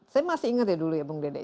saya masih ingat ya dulu ya bung dede